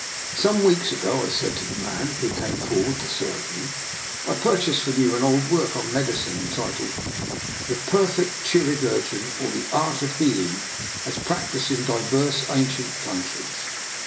" Some weeks ago/' I said to the man who came forward to serve me, " I purchased from you an old work on medicine entitled *The Perfect Chirurgeon, or The Art of Healing as practised in divers Ancient Coun tries.'